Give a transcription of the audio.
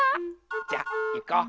じゃいこう。